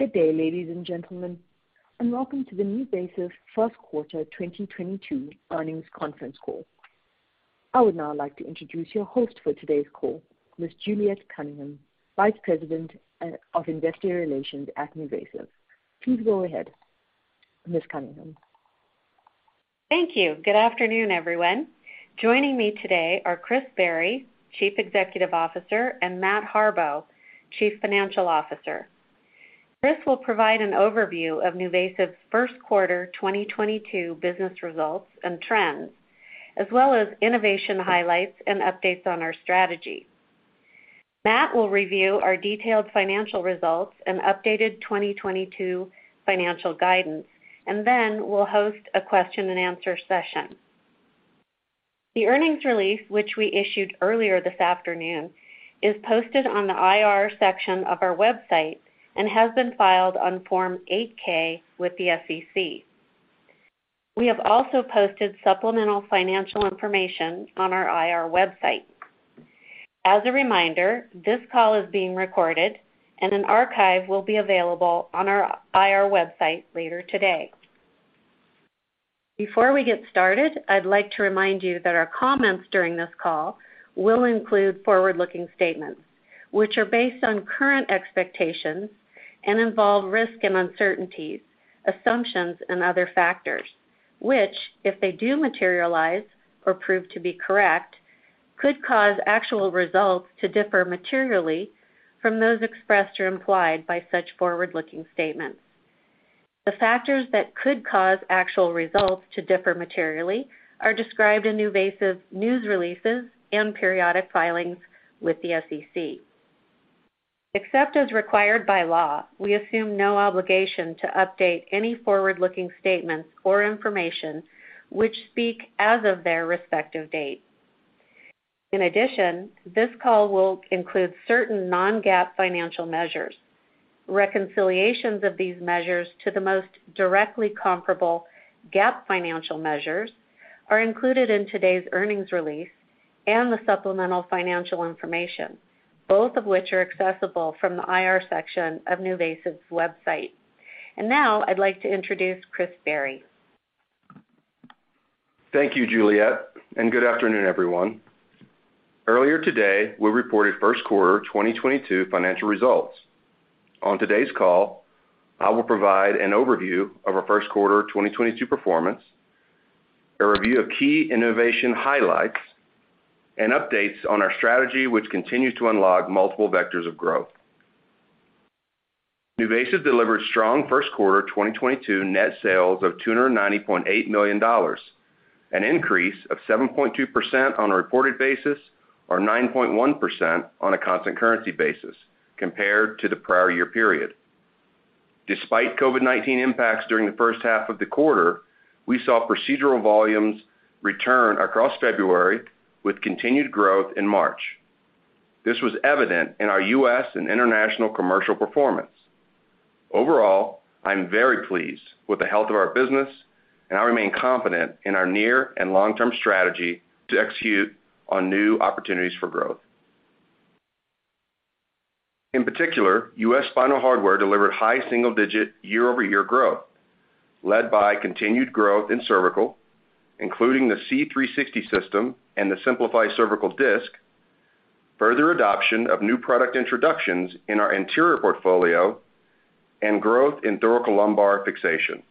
Good day, ladies and gentlemen, and welcome to the NuVasive First Quarter 2022 Earnings Conference Call. I would now like to introduce your host for today's call, Ms. Juliet C. Cunningham, Vice President of Investor Relations at NuVasive. Please go ahead, Ms. Cunningham. Thank you. Good afternoon, everyone. Joining me today are Chris Barry, Chief Executive Officer, and Matt Harbaugh, Chief Financial Officer. Chris will provide an overview of NuVasive's first quarter 2022 business results and trends, as well as innovation highlights and updates on our strategy. Matt will review our detailed financial results and updated 2022 financial guidance, and then we'll host a question and answer session. The earnings release, which we issued earlier this afternoon, is posted on the IR section of our website and has been filed on Form 8-K with the SEC. We have also posted supplemental financial information on our IR website. As a reminder, this call is being recorded and an archive will be available on our IR website later today. Before we get started, I'd like to remind you that our comments during this call will include forward-looking statements, which are based on current expectations and involve risk and uncertainties, assumptions and other factors, which, if they do materialize or prove to be correct, could cause actual results to differ materially from those expressed or implied by such forward-looking statements. The factors that could cause actual results to differ materially are described in NuVasive's news releases and periodic filings with the SEC. Except as required by law, we assume no obligation to update any forward-looking statements or information which speak as of their respective date. In addition, this call will include certain non-GAAP financial measures. Reconciliations of these measures to the most directly comparable GAAP financial measures are included in today's earnings release and the supplemental financial information, both of which are accessible from the IR section of NuVasive's website. Now I'd like to introduce Chris Barry. Thank you, Juliet, and good afternoon, everyone. Earlier today, we reported first quarter 2022 financial results. On today's call, I will provide an overview of our first quarter 2022 performance, a review of key innovation highlights, and updates on our strategy, which continues to unlock multiple vectors of growth. NuVasive delivered strong first quarter 2022 net sales of $290.8 million, an increase of 7.2% on a reported basis or 9.1% on a constant currency basis compared to the prior year period. Despite COVID-19 impacts during the first half of the quarter, we saw procedural volumes return across February with continued growth in March. This was evident in our US and international commercial performance. Overall, I'm very pleased with the health of our business, and I remain confident in our near and long-term strategy to execute on new opportunities for growth. In particular, U.S. spinal hardware delivered high single-digit year-over-year growth led by continued growth in cervical, including the C360 system and the Simplify Cervical Disc, further adoption of new product introductions in our anterior portfolio, and growth in thoracolumbar fixation.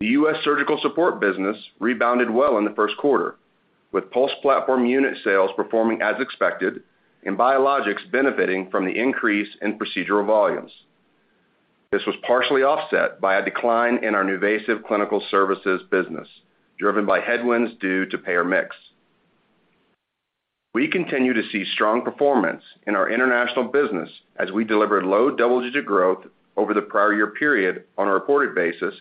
The U.S. surgical support business rebounded well in the first quarter, with Pulse platform unit sales performing as expected and biologics benefiting from the increase in procedural volumes. This was partially offset by a decline in our NuVasive Clinical Services business, driven by headwinds due to payer mix. We continue to see strong performance in our international business as we delivered low double-digit growth over the prior year period on a reported basis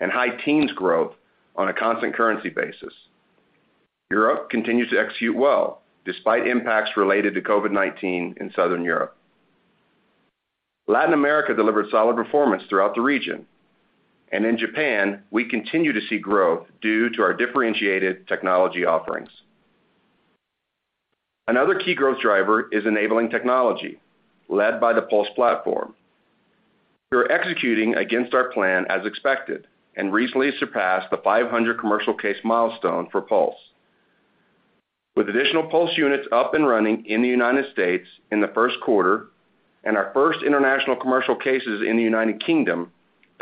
and high teens growth on a constant currency basis. Europe continues to execute well despite impacts related to COVID-19 in Southern Europe. Latin America delivered solid performance throughout the region. In Japan, we continue to see growth due to our differentiated technology offerings. Another key growth driver is enabling technology led by the Pulse platform. We are executing against our plan as expected and recently surpassed the 500 commercial case milestone for Pulse. With additional Pulse units up and running in the United States in the first quarter and our first international commercial cases in the United Kingdom,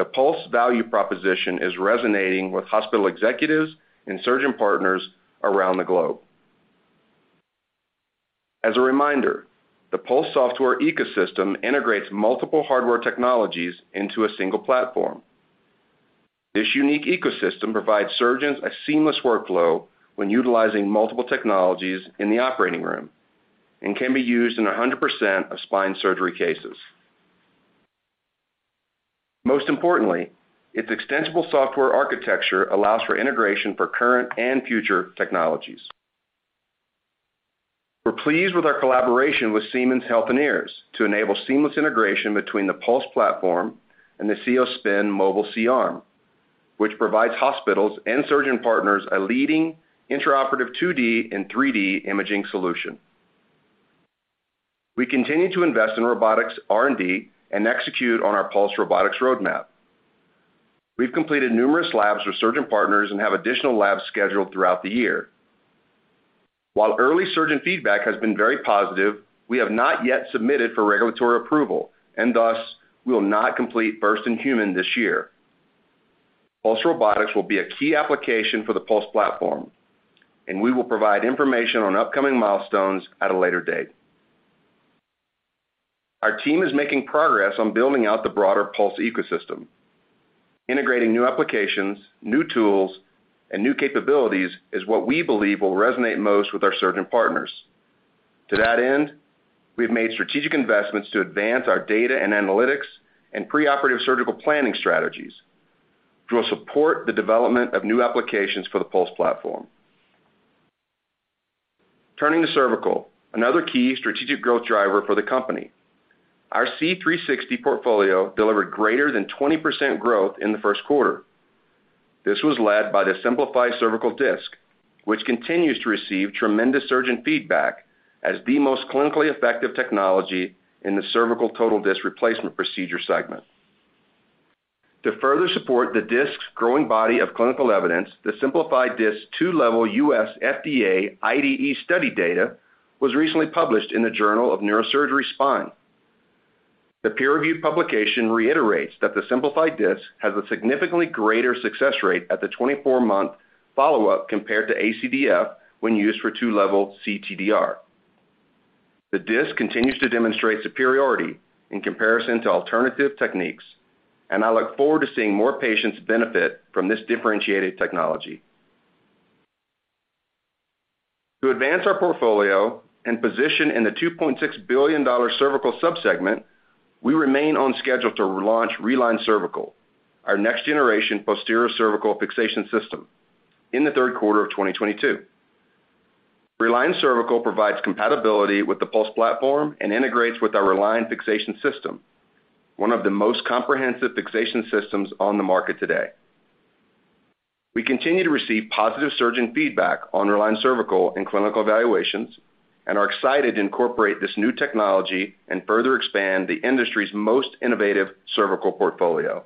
the Pulse value proposition is resonating with hospital executives and surgeon partners around the globe. As a reminder, the Pulse software ecosystem integrates multiple hardware technologies into a single platform. This unique ecosystem provides surgeons a seamless workflow when utilizing multiple technologies in the operating room and can be used in 100% of spine surgery cases. Most importantly, its extensible software architecture allows for integration for current and future technologies. We're pleased with our collaboration with Siemens Healthineers to enable seamless integration between the Pulse platform and the Cios Spin mobile C-arm, which provides hospitals and surgeon partners a leading intraoperative 2D and 3D imaging solution. We continue to invest in robotics R&D and execute on our Pulse robotics roadmap. We've completed numerous labs with surgeon partners and have additional labs scheduled throughout the year. While early surgeon feedback has been very positive, we have not yet submitted for regulatory approval, and thus we will not complete first in human this year. Pulse robotics will be a key application for the Pulse platform, and we will provide information on upcoming milestones at a later date. Our team is making progress on building out the broader Pulse ecosystem. Integrating new applications, new tools, and new capabilities is what we believe will resonate most with our surgeon partners. To that end, we have made strategic investments to advance our data and analytics and preoperative surgical planning strategies, which will support the development of new applications for the Pulse platform. Turning to cervical, another key strategic growth driver for the company. Our C360 portfolio delivered greater than 20% growth in the first quarter. This was led by the Simplify Cervical Disc, which continues to receive tremendous surgeon feedback as the most clinically effective technology in the cervical total disc replacement procedure segment. To further support the disc's growing body of clinical evidence, the Simplify Disc two-level U.S. FDA IDE study data was recently published in the Journal of Neurosurgery: Spine. The peer-reviewed publication reiterates that the Simplify Disc has a significantly greater success rate at the 24-month follow-up compared to ACDF when used for two-level cTDR. The disc continues to demonstrate superiority in comparison to alternative techniques, and I look forward to seeing more patients benefit from this differentiated technology. To advance our portfolio and position in the $2.6 billion cervical subsegment, we remain on schedule to launch Reline Cervical, our next-generation posterior cervical fixation system, in the third quarter of 2022. Reline Cervical provides compatibility with the Pulse platform and integrates with our Reline fixation system, one of the most comprehensive fixation systems on the market today. We continue to receive positive surgeon feedback on Reline Cervical and clinical evaluations and are excited to incorporate this new technology and further expand the industry's most innovative cervical portfolio.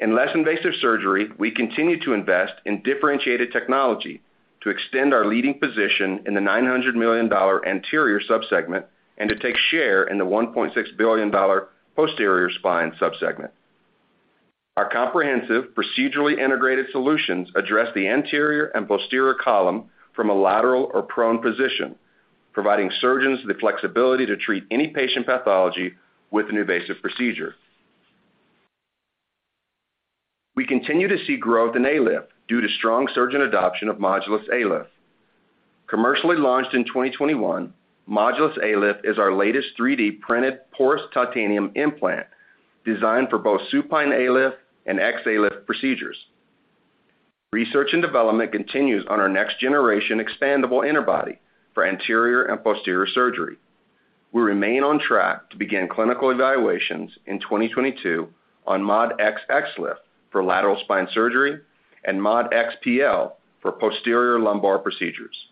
In less invasive surgery, we continue to invest in differentiated technology to extend our leading position in the $900 million anterior subsegment and to take share in the $1.6 billion posterior spine subsegment. Our comprehensive procedurally integrated solutions address the anterior and posterior column from a lateral or prone position, providing surgeons the flexibility to treat any patient pathology with an invasive procedure. We continue to see growth in ALIF due to strong surgeon adoption of Modulus ALIF. Commercially launched in 2021, Modulus ALIF is our latest 3D-printed porous titanium implant designed for both supine ALIF and XALIF procedures. Research and development continues on our next generation expandable interbody for anterior and posterior surgery. We remain on track to begin clinical evaluations in 2022 on MOD-EX XLIF for lateral spine surgery and MOD-EX PL for posterior lumbar procedures.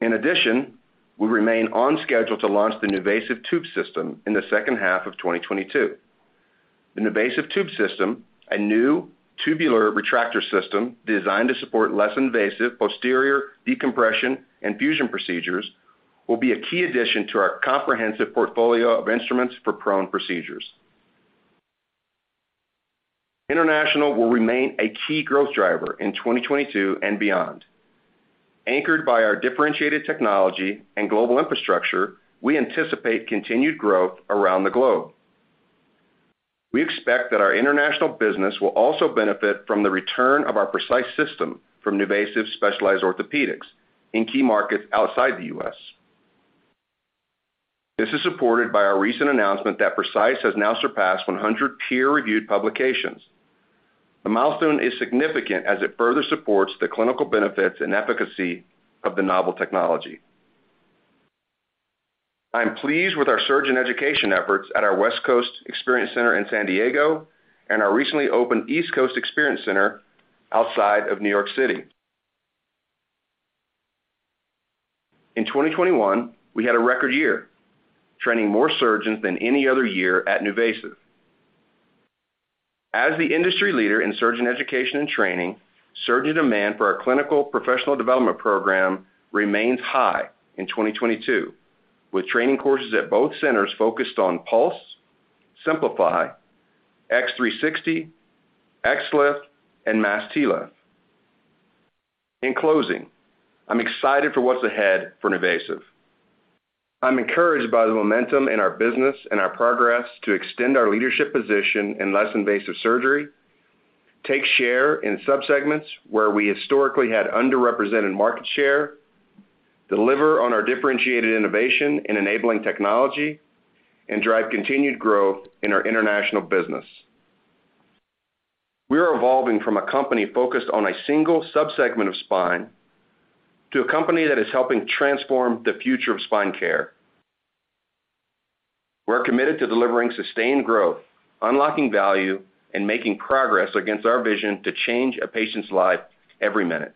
In addition, we remain on schedule to launch the NuVasive Tube System in the second half of 2022. The NuVasive Tube System, a new tubular retractor system designed to support less invasive posterior decompression and fusion procedures, will be a key addition to our comprehensive portfolio of instruments for prone procedures. International will remain a key growth driver in 2022 and beyond. Anchored by our differentiated technology and global infrastructure, we anticipate continued growth around the globe. We expect that our international business will also benefit from the return of our Precice system from NuVasive Specialized Orthopedics in key markets outside the U.S. This is supported by our recent announcement that Precice has now surpassed 100 peer-reviewed publications. The milestone is significant as it further supports the clinical benefits and efficacy of the novel technology. I am pleased with our surgeon education efforts at our West Coast Experience Center in San Diego and our recently opened East Coast Experience Center outside of New York City. In 2021, we had a record year, training more surgeons than any other year at NuVasive. As the industry leader in surgeon education and training, surgeon demand for our clinical professional development program remains high in 2022, with training courses at both centers focused on Pulse, Simplify, X360, XLIF, and MAS TLIF. In closing, I'm excited for what's ahead for NuVasive. I'm encouraged by the momentum in our business and our progress to extend our leadership position in less invasive surgery, take share in subsegments where we historically had underrepresented market share, deliver on our differentiated innovation in enabling technology, and drive continued growth in our international business. We are evolving from a company focused on a single sub-segment of spine to a company that is helping transform the future of spine care. We're committed to delivering sustained growth, unlocking value, and making progress against our vision to change a patient's life every minute.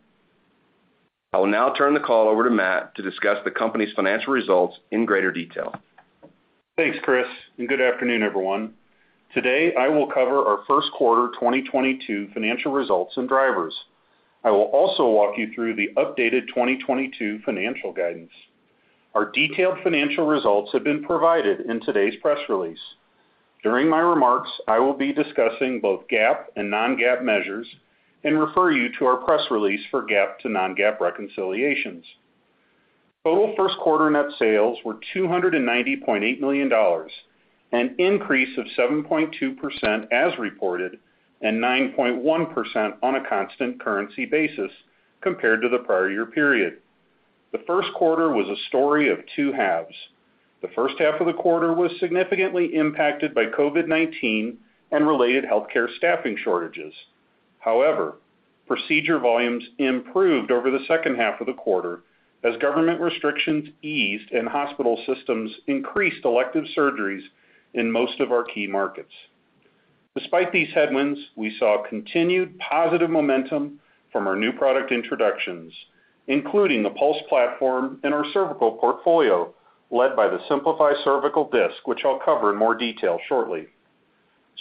I will now turn the call over to Matt to discuss the company's financial results in greater detail. Thanks, Chris, and good afternoon, everyone. Today, I will cover our first quarter 2022 financial results and drivers. I will also walk you through the updated 2022 financial guidance. Our detailed financial results have been provided in today's press release. During my remarks, I will be discussing both GAAP and non-GAAP measures and refer you to our press release for GAAP to non-GAAP reconciliations. Total first quarter net sales were $298 million, an increase of 7.2% as reported, and 9.1% on a constant currency basis compared to the prior year period. The first quarter was a story of two halves. The first half of the quarter was significantly impacted by COVID-19 and related healthcare staffing shortages. However, procedure volumes improved over the second half of the quarter as government restrictions eased and hospital systems increased elective surgeries in most of our key markets. Despite these headwinds, we saw continued positive momentum from our new product introductions, including the Pulse platform and our cervical portfolio, led by the Simplify Cervical Disc, which I'll cover in more detail shortly.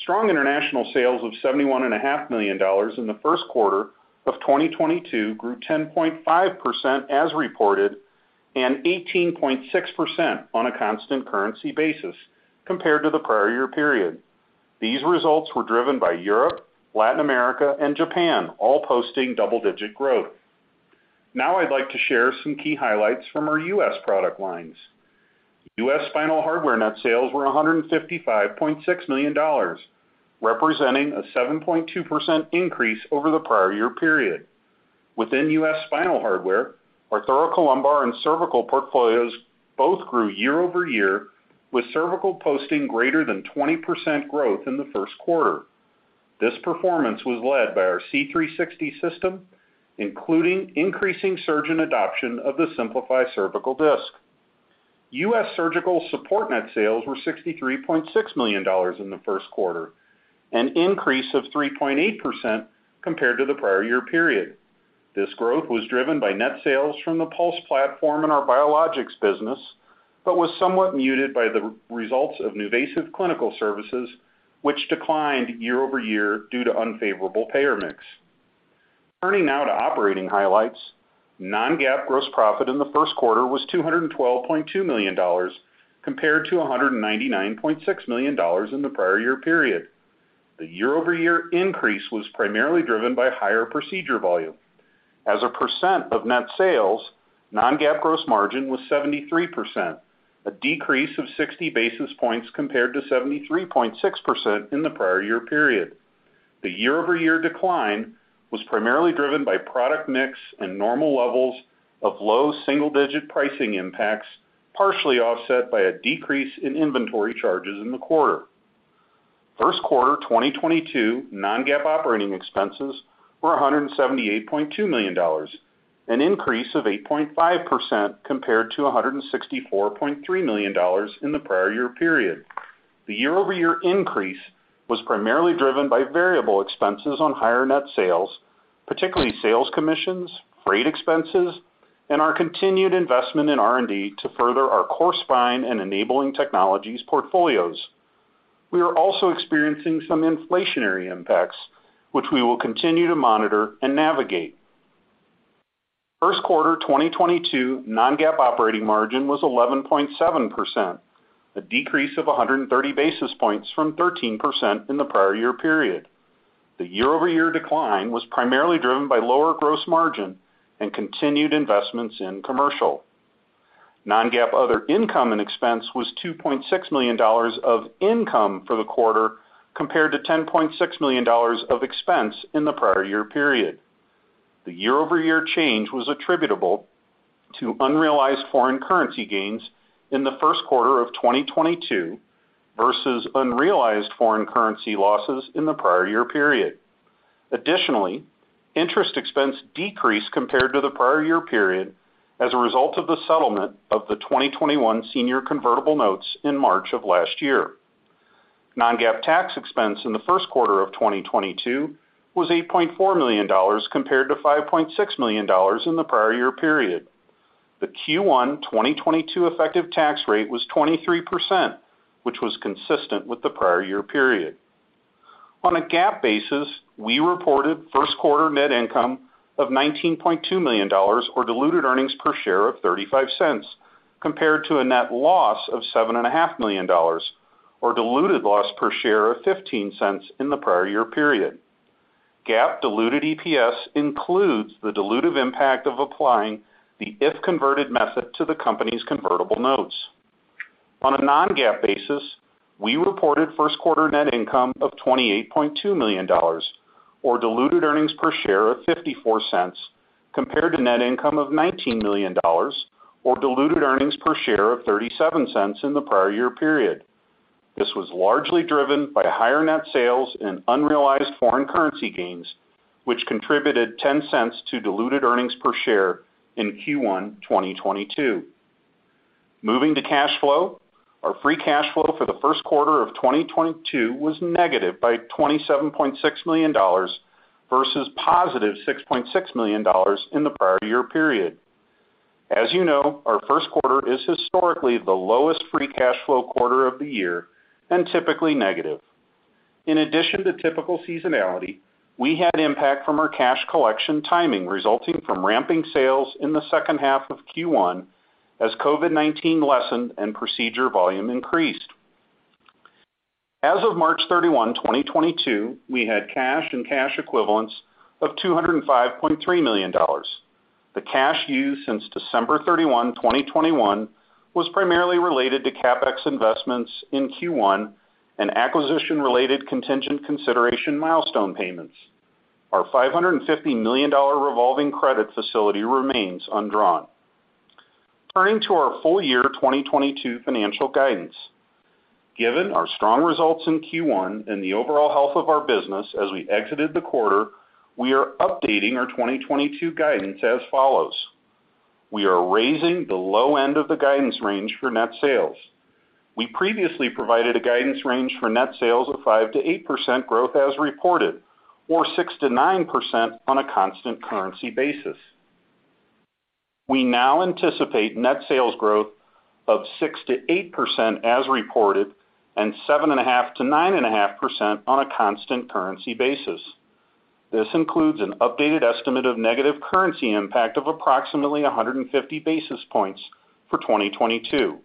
Strong international sales of $71.5 million in the first quarter of 2022 grew 10.5% as reported, and 18.6% on a constant currency basis compared to the prior year period. These results were driven by Europe, Latin America, and Japan, all posting double-digit growth. Now, I'd like to share some key highlights from our U.S. product lines. U.S. Spinal hardware net sales were $155.6 million, representing a 7.2% increase over the prior year period. Within U.S. spinal hardware, our thoracolumbar and cervical portfolios both grew year-over-year, with cervical posting greater than 20% growth in the first quarter. This performance was led by our C360 system, including increasing surgeon adoption of the Simplify Cervical Disc. U.S. surgical support net sales were $63.6 million in the first quarter, an increase of 3.8% compared to the prior year period. This growth was driven by net sales from the Pulse platform in our biologics business, but was somewhat muted by the results of NuVasive Clinical Services, which declined year-over-year due to unfavorable payer mix. Turning now to operating highlights. Non-GAAP gross profit in the first quarter was $212.2 million compared to $199.6 million in the prior year period. The year-over-year increase was primarily driven by higher procedure volume. As a percent of net sales, non-GAAP gross margin was 73%, a decrease of 60 basis points compared to 73.6% in the prior year period. The year-over-year decline was primarily driven by product mix and normal levels of low single-digit pricing impacts, partially offset by a decrease in inventory charges in the quarter. First quarter 2022 non-GAAP operating expenses were $178.2 million, an increase of 8.5% compared to $164.3 million in the prior year period. The year-over-year increase was primarily driven by variable expenses on higher net sales, particularly sales commissions, freight expenses, and our continued investment in R&D to further our core spine and enabling technologies portfolios. We are also experiencing some inflationary impacts, which we will continue to monitor and navigate. First quarter 2022 non-GAAP operating margin was 11.7%, a decrease of 100 basis points from 13% in the prior year period. The year-over-year decline was primarily driven by lower gross margin and continued investments in commercial. Non-GAAP other income and expense was $2.6 million of income for the quarter, compared to $10.6 million of expense in the prior year period. The year-over-year change was attributable to unrealized foreign currency gains in the first quarter of 2022 versus unrealized foreign currency losses in the prior year period. Additionally, interest expense decreased compared to the prior year period as a result of the settlement of the 2021 senior convertible notes in March of last year. non-GAAP tax expense in the first quarter of 2022 was $8.4 million, compared to $5.6 million in the prior year period. The Q1 2022 effective tax rate was 23%, which was consistent with the prior year period. On a GAAP basis, we reported first quarter net income of $19.2 million, or diluted earnings per share of $0.35, compared to a net loss of $7.5 million or diluted loss per share of $0.15 in the prior year period. GAAP diluted EPS includes the dilutive impact of applying the if converted method to the company's convertible notes. On a non-GAAP basis, we reported first quarter net income of $28.2 million, or diluted earnings per share of $0.54. Compared to net income of $19 million or diluted earnings per share of $0.37 in the prior year period. This was largely driven by higher net sales and unrealized foreign currency gains, which contributed $0.10 to diluted earnings per share in Q1 2022. Moving to cash flow. Our free cash flow for the first quarter of 2022 was negative $27.6 million versus positive $6.6 million in the prior year period. As you know, our first quarter is historically the lowest free cash flow quarter of the year and typically negative. In addition to typical seasonality, we had impact from our cash collection timing resulting from ramping sales in the second half of Q1 as COVID-19 lessened and procedure volume increased. As of March 31, 2022, we had cash and cash equivalents of $205.3 million. The cash used since December 31, 2021 was primarily related to CapEx investments in Q1 and acquisition-related contingent consideration milestone payments. Our $550 million revolving credit facility remains undrawn. Turning to our full year 2022 financial guidance. Given our strong results in Q1 and the overall health of our business as we exited the quarter, we are updating our 2022 guidance as follows. We are raising the low end of the guidance range for net sales. We previously provided a guidance range for net sales of 5%-8% growth as reported, or 6%-9% on a constant currency basis. We now anticipate net sales growth of 6%-8% as reported and 7.5%-9.5% on a constant currency basis. This includes an updated estimate of negative currency impact of approximately 150 basis points for 2022.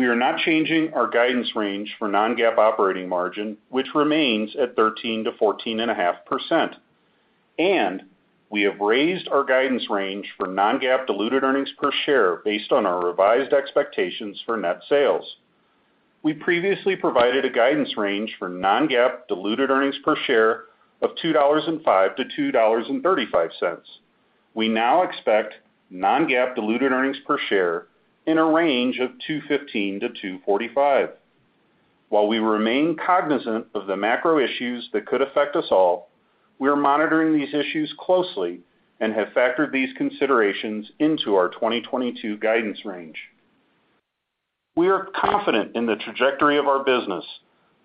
We are not changing our guidance range for non-GAAP operating margin, which remains at 13%-14.5%, and we have raised our guidance range for non-GAAP diluted earnings per share based on our revised expectations for net sales. We previously provided a guidance range for non-GAAP diluted earnings per share of $2.05-$2.35. We now expect non-GAAP diluted earnings per share in a range of $2.15-$2.45. While we remain cognizant of the macro issues that could affect us all, we are monitoring these issues closely and have factored these considerations into our 2022 guidance range. We are confident in the trajectory of our business,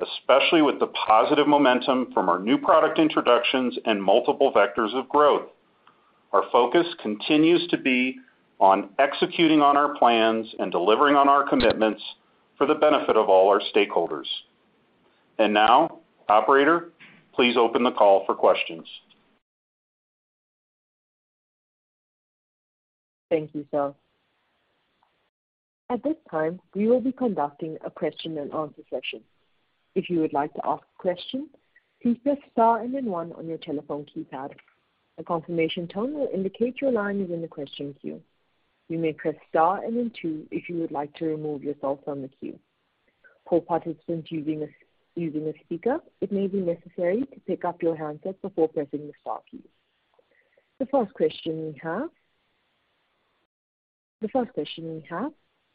especially with the positive momentum from our new product introductions and multiple vectors of growth. Our focus continues to be on executing on our plans and delivering on our commitments for the benefit of all our stakeholders. Now, operator, please open the call for questions. Thank you, Matt. At this time, we will be conducting a question and answer session. If you would like to ask a question, please press star and then one on your telephone keypad. A confirmation tone will indicate your line is in the question queue. You may press star and then two if you would like to remove yourself from the queue. For participants using a speaker, it may be necessary to pick up your handset before pressing the star key. The first question we have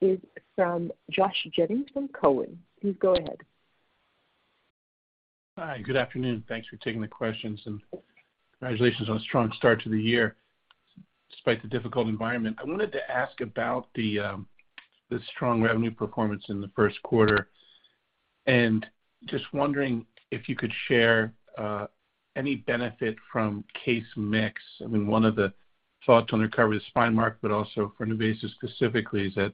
is from Joshua Jennings from Cowen. Please go ahead. Hi. Good afternoon. Thanks for taking the questions and congratulations on a strong start to the year despite the difficult environment. I wanted to ask about the strong revenue performance in the first quarter, and just wondering if you could share any benefit from case mix. I mean, one of the thoughts on recovery is spine market, but also for NuVasive specifically is that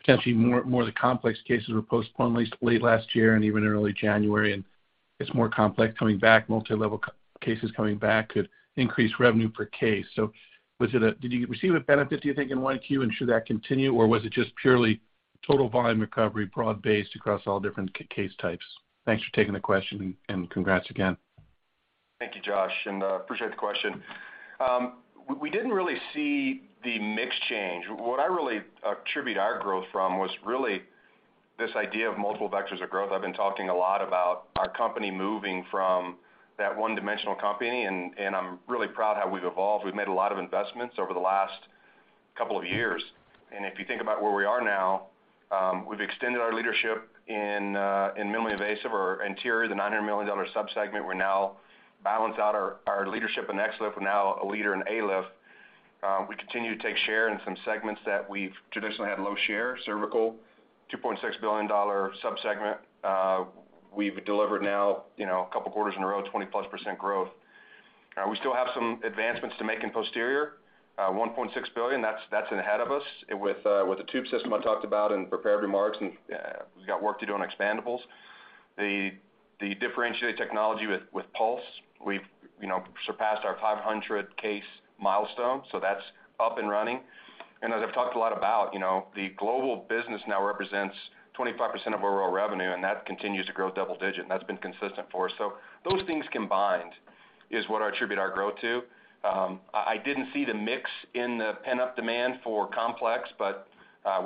potentially more of the complex cases were postponed at least late last year and even early January, and it's more complex coming back, multi-level cases coming back could increase revenue per case. Did you receive a benefit, do you think, in Q1 and should that continue or was it just purely total volume recovery broad-based across all different case types? Thanks for taking the question and congrats again. Thank you, Josh, and appreciate the question. We didn't really see the mix change. What I really attribute our growth from was really this idea of multiple vectors of growth. I've been talking a lot about our company moving from that one-dimensional company, and I'm really proud how we've evolved. We've made a lot of investments over the last couple of years. If you think about where we are now, we've extended our leadership in minimally invasive or anterior, the $900 million subsegment. We now balance out our leadership in XLIF. We're now a leader in ALIF. We continue to take share in some segments that we've traditionally had low share, cervical, $2.6 billion subsegment. We've delivered now, you know, a couple quarters in a row, 20%+ growth. We still have some advancements to make in posterior $1.6 billion. That's ahead of us with the Tube System I talked about in prepared remarks, and we've got work to do on expandables. The differentiated technology with Pulse, we've, you know, surpassed our 500 case milestone, so that's up and running. I've talked a lot about, you know, the global business now represents 25% of our overall revenue, and that continues to grow double-digit, and that's been consistent for us. Those things combined is what I attribute our growth to. I didn't see the mix in the pent-up demand for complex, but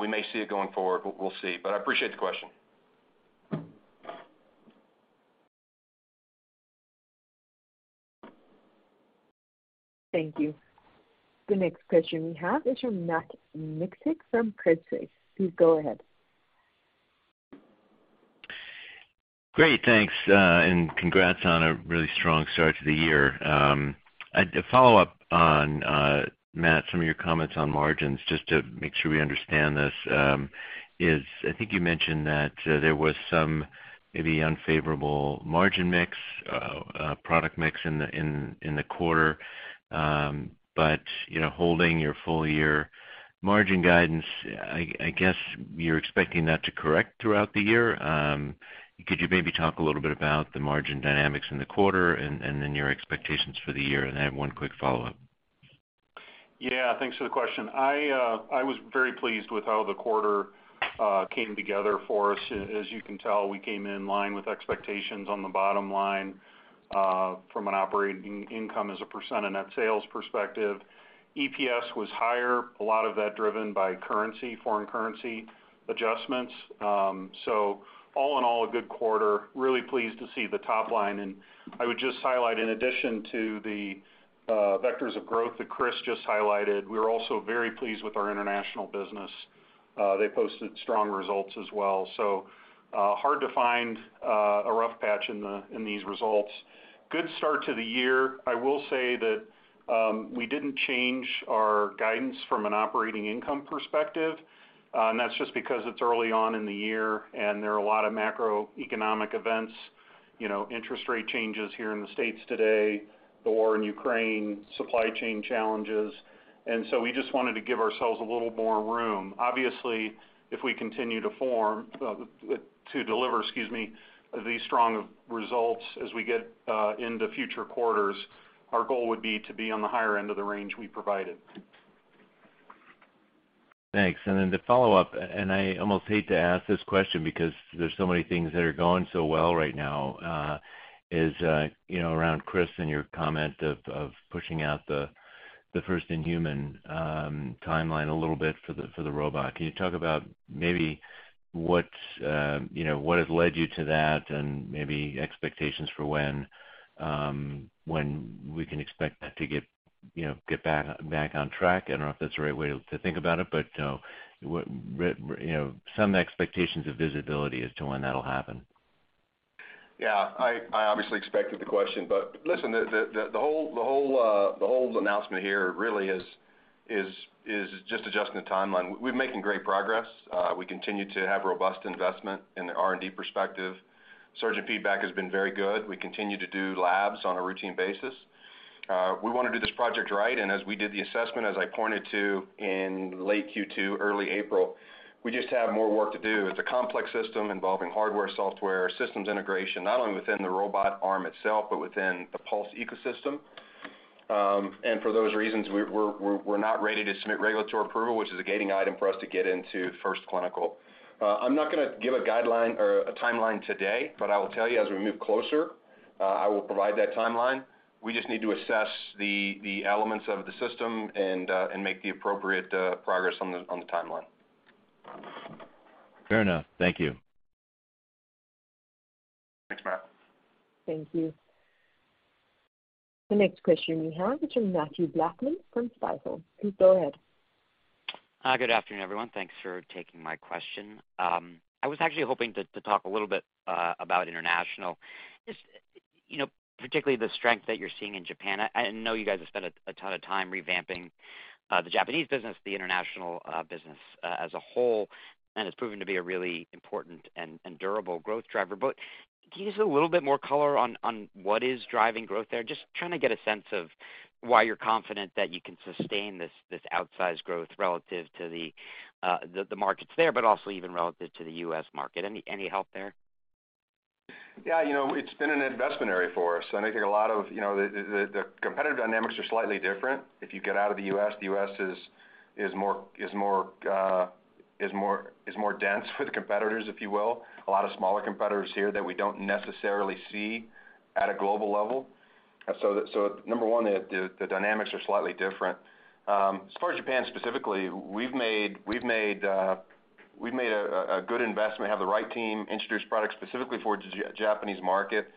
we may see it going forward. We'll see. I appreciate the question. Thank you. The next question we have is from Matt Miksic from Credit Suisse. Please go ahead. Great, thanks. Congrats on a really strong start to the year. I'd follow up on Matt, some of your comments on margins just to make sure we understand this. I think you mentioned that there was some maybe unfavorable margin mix, product mix in the quarter, but you know, holding your full year margin guidance, I guess you're expecting that to correct throughout the year. Could you maybe talk a little bit about the margin dynamics in the quarter and then your expectations for the year? I have one quick follow-up. Yeah, thanks for the question. I was very pleased with how the quarter came together for us. As you can tell, we came in line with expectations on the bottom line from an operating income as a percent of net sales perspective. EPS was higher, a lot of that driven by currency, foreign currency adjustments. So all in all, a good quarter. Really pleased to see the top line. I would just highlight in addition to the vectors of growth that Chris just highlighted, we're also very pleased with our international business. They posted strong results as well. Hard to find a rough patch in these results. Good start to the year. I will say that, we didn't change our guidance from an operating income perspective, and that's just because it's early on in the year and there are a lot of macroeconomic events, you know, interest rate changes here in the States today, the war in Ukraine, supply chain challenges. We just wanted to give ourselves a little more room. Obviously, if we continue to deliver, excuse me, these strong results as we get into future quarters, our goal would be to be on the higher end of the range we provided. Thanks. The follow-up, I almost hate to ask this question because there's so many things that are going so well right now, you know, around Chris and your comment of pushing out the first-in-human timeline a little bit for the robot. Can you talk about maybe what you know, what has led you to that and maybe expectations for when we can expect that to get back on track? I don't know if that's the right way to think about it, but what you know, some expectations of visibility as to when that'll happen. Yeah. I obviously expected the question. Listen, the whole announcement here really is just adjusting the timeline. We're making great progress. We continue to have robust investment in the R&D perspective. Surgeon feedback has been very good. We continue to do labs on a routine basis. We wanna do this project right. As we did the assessment, as I pointed to in late Q2, early April, we just have more work to do. It's a complex system involving hardware, software, systems integration, not only within the robot arm itself, but within the Pulse ecosystem. For those reasons, we're not ready to submit regulatory approval, which is a gating item for us to get into first clinical. I'm not gonna give a guideline or a timeline today, but I will tell you as we move closer, I will provide that timeline. We just need to assess the elements of the system and make the appropriate progress on the timeline. Fair enough. Thank you. Thanks, Matt. Thank you. The next question we have is from Mathew Blackman from Stifel. Please go ahead. Good afternoon, everyone. Thanks for taking my question. I was actually hoping to talk a little bit about international. Just, you know, particularly the strength that you're seeing in Japan. I know you guys have spent a ton of time revamping the Japanese business, the international business as a whole, and it's proven to be a really important and durable growth driver. Can you give us a little bit more color on what is driving growth there? Just trying to get a sense of why you're confident that you can sustain this outsized growth relative to the markets there, but also even relative to the U.S. market. Any help there? Yeah. You know, it's been an investment area for us, and I think a lot of, you know, the competitive dynamics are slightly different if you get out of the U.S. The U.S. is more dense with competitors, if you will. A lot of smaller competitors here that we don't necessarily see at a global level. Number one, the dynamics are slightly different. As far as Japan specifically, we've made a good investment, have the right team, introduced products specifically for Japanese market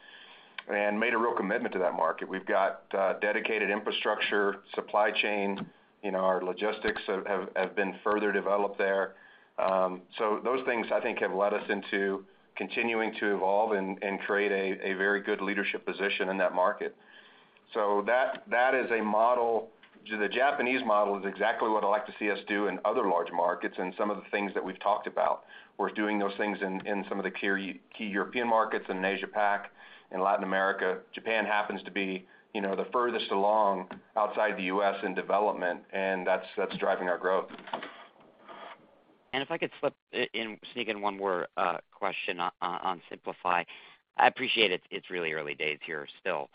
and made a real commitment to that market. We've got dedicated infrastructure, supply chain, you know, our logistics have been further developed there. Those things, I think, have led us into continuing to evolve and create a very good leadership position in that market. That is a model. The Japanese model is exactly what I'd like to see us do in other large markets and some of the things that we've talked about. We're doing those things in some of the key European markets, in Asia Pac, in Latin America. Japan happens to be, you know, the furthest along outside the U.S. in development, and that's driving our growth. If I could sneak in one more question on Simplify. I appreciate it's really early days here still.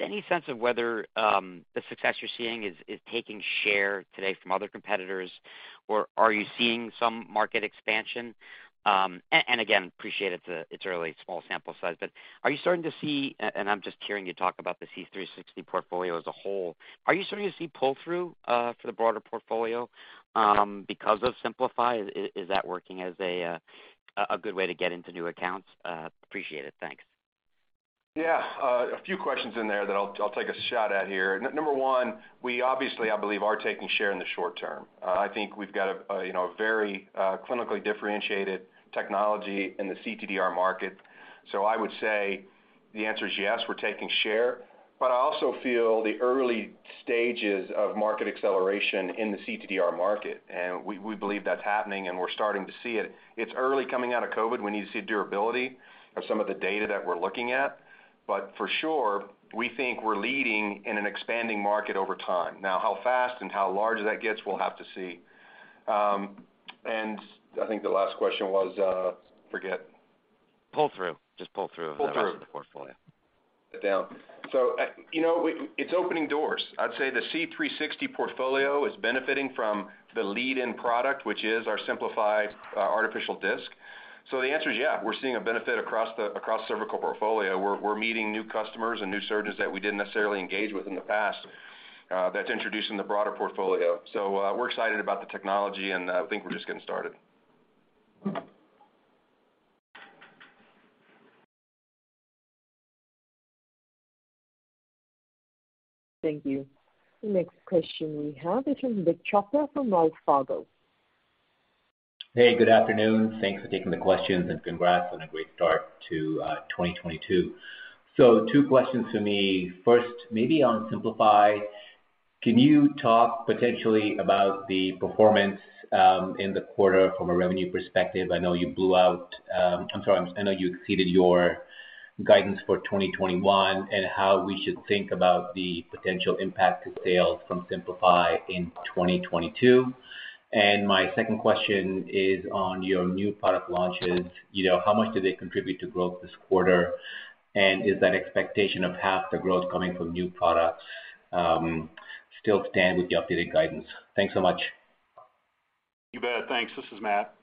Any sense of whether the success you're seeing is taking share today from other competitors, or are you seeing some market expansion? Again, appreciate it's a really small sample size. Are you starting to see and I'm just hearing you talk about the C360 portfolio as a whole. Are you starting to see pull-through for the broader portfolio because of Simplify? Is that working as a good way to get into new accounts? Appreciate it. Thanks. Yeah. A few questions in there that I'll take a shot at here. Number one, we obviously, I believe, are taking share in the short term. I think we've got a you know a very clinically differentiated technology in the cTDR market. So I would say the answer is yes, we're taking share, but I also feel the early stages of market acceleration in the cTDR market. We believe that's happening, and we're starting to see it. It's early coming out of COVID. We need to see durability of some of the data that we're looking at. But for sure, we think we're leading in an expanding market over time. Now how fast and how large that gets, we'll have to see. I think the last question was, forget. Pull-through. Pull-through the rest of the portfolio. Down. It's opening doors. I'd say the C-360 portfolio is benefiting from the lead-in product, which is our Simplify Artificial Disc. The answer is yeah, we're seeing a benefit across the cervical portfolio. We're meeting new customers and new surgeons that we didn't necessarily engage with in the past, that's introducing the broader portfolio. We're excited about the technology, and I think we're just getting started. Thank you. The next question we have is from Vik Chopra from Wells Fargo. Hey, good afternoon. Thanks for taking the questions, and congrats on a great start to 2022. Two questions for me. First, maybe on Simplify. Can you talk potentially about the performance in the quarter from a revenue perspective? I know you exceeded your guidance for 2021, and how we should think about the potential impact to sales from Simplify in 2022. My second question is on your new product launches. You know, how much do they contribute to growth this quarter? And is that expectation of half the growth coming from new products still stand with the updated guidance? Thanks so much. You bet. Thanks. This is Matt.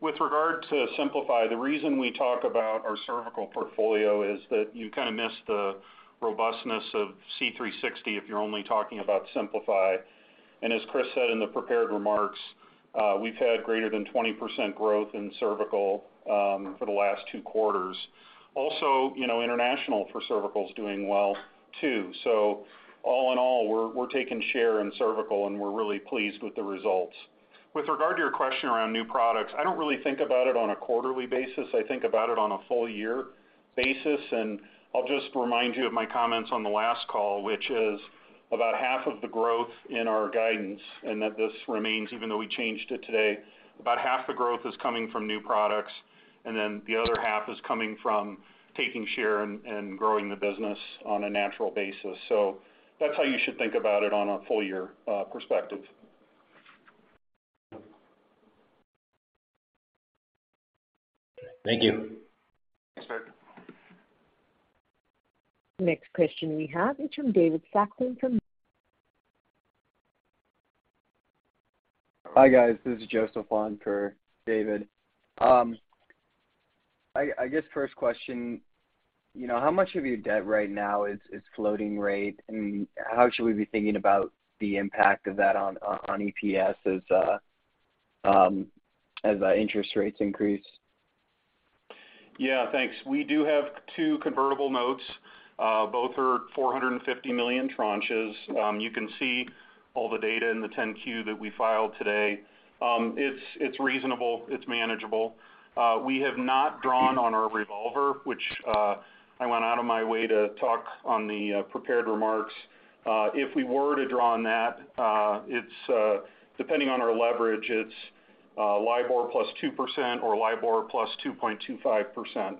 With regard to Simplify, the reason we talk about our cervical portfolio is that you kinda miss the robustness of C-360 if you're only talking about Simplify. As Chris said in the prepared remarks, we've had greater than 20% growth in cervical for the last two quarters. International for cervical is doing well too. All in all, we're taking share in cervical, and we're really pleased with the results. With regard to your question around new products, I don't really think about it on a quarterly basis. I think about it on a full year basis. I'll just remind you of my comments on the last call, which is about half of the growth in our guidance, and that this remains even though we changed it today. About half the growth is coming from new products, and then the other half is coming from taking share and growing the business on a natural basis. That's how you should think about it on a full-year perspective. Thank you. Thanks, Vik. Next question we have is from David Saxon. Hi, guys. This is Joseph on for David. I guess first question, you know, how much of your debt right now is floating rate, and how should we be thinking about the impact of that on EPS as interest rates increase? Yeah, thanks. We do have two convertible notes. Both are $450 million tranches. You can see all the data in the Form 10-Q that we filed today. It's reasonable. It's manageable. We have not drawn on our revolver, which I went out of my way to talk on the prepared remarks. If we were to draw on that, it's depending on our leverage, it's LIBOR plus 2% or LIBOR plus 2.25%.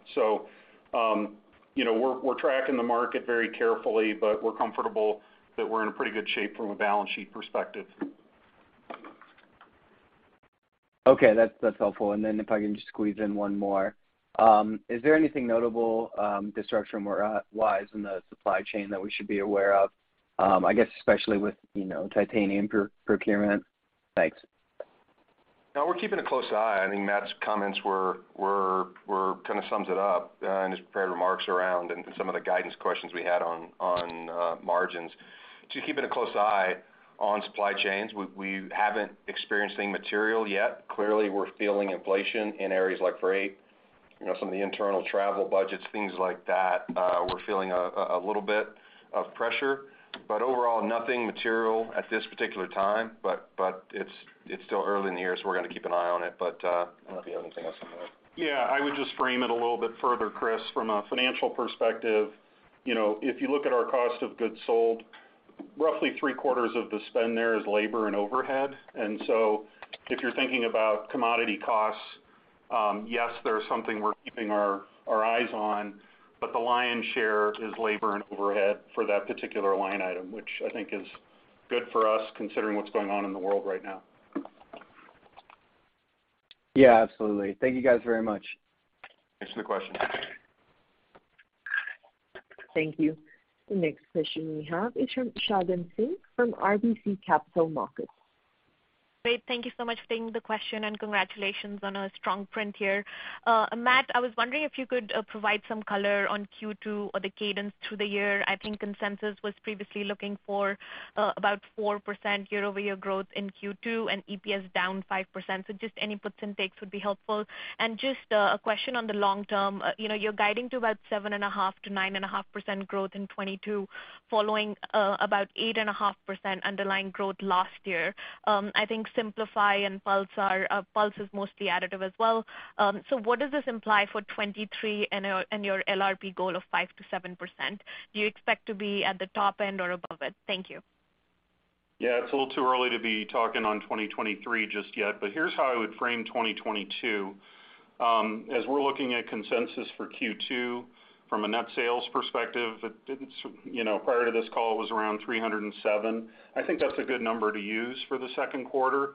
You know, we're tracking the market very carefully, but we're comfortable that we're in a pretty good shape from a balance sheet perspective. Okay. That's helpful. If I can just squeeze in one more. Is there anything notable disruption-wise in the supply chain that we should be aware of? I guess especially with, you know, titanium procurement. Thanks. No, we're keeping a close eye. I think Matt's comments were kinda sums it up in his prepared remarks around and some of the guidance questions we had on margins. Just keeping a close eye on supply chains. We haven't experienced anything material yet. Clearly, we're feeling inflation in areas like freight, you know, some of the internal travel budgets, things like that. We're feeling a little bit of pressure, but overall nothing material at this particular time. It's still early in the year, so we're gonna keep an eye on it. I don't know if you have anything else to add. Yeah. I would just frame it a little bit further, Chris. From a financial perspective, you know, if you look at our cost of goods sold, roughly three-quarters of the spend there is labor and overhead. If you're thinking about commodity costs, yes, they're something we're keeping our eyes on, but the lion's share is labor and overhead for that particular line item, which I think is good for us considering what's going on in the world right now. Yeah, absolutely. Thank you, guys, very much. Thanks for the question. Thank you. The next question we have is from Shagun Singh from RBC Capital Markets. Great. Thank you so much for taking the question and congratulations on a strong print here. Matt, I was wondering if you could provide some color on Q2 or the cadence through the year. I think consensus was previously looking for about 4% year-over-year growth in Q2 and EPS down 5%. Just any puts and takes would be helpful. Just a question on the long term. You know, you're guiding to about 7.5%-9.5% growth in 2022 following about 8.5% underlying growth last year. I think Simplify and Pulse is mostly additive as well. So what does this imply for 2023 and your LRP goal of 5%-7%? Do you expect to be at the top end or above it? Thank you. Yeah, it's a little too early to be talking on 2023 just yet, but here's how I would frame 2022. As we're looking at consensus for Q2 from a net sales perspective, it's you know, prior to this call was around $307. I think that's a good number to use for the second quarter,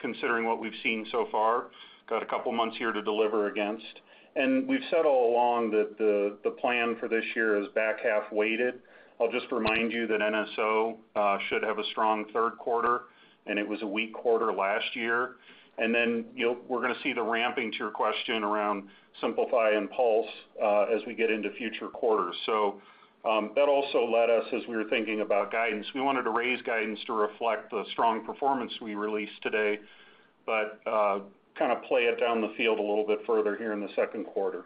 considering what we've seen so far. Got a couple of months here to deliver against. We've said all along that the plan for this year is back half weighted. I'll just remind you that NSO should have a strong third quarter, and it was a weak quarter last year. Then, you know, we're gonna see the ramping to your question around Simplify and Pulse as we get into future quarters. That also led us as we were thinking about guidance. We wanted to raise guidance to reflect the strong performance we released today, but kind of play it down the field a little bit further here in the second quarter.